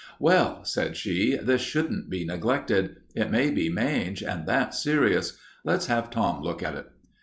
"Well," said she, "this shouldn't be neglected. It may be mange, and that's serious. Let's have Tom look at it."